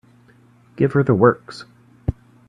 Give her the works.